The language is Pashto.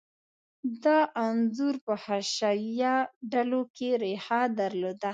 دا انځور په حشویه ډلو کې ریښه درلوده.